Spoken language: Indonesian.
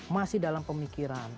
masih dalam pemikiran